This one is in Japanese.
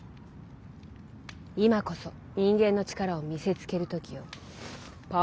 今こそ人間の力を見せつける時よ。